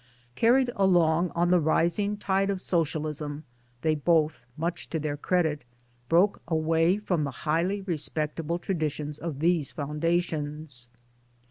Carried along on the rising tide of Socialism they both (much to their credit) broke away from the highly respectable traditions of these foundations.